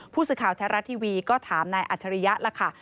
ผู้สื่อข่าวไทยรัฐทีวีก็ถามนายอัจฉริยะล่ะค่ะ